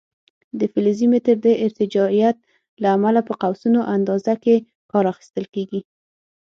د فلزي متر د ارتجاعیت له امله په قوسونو اندازه کې کار اخیستل کېږي.